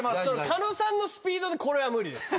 狩野さんのスピードでこれは無理です。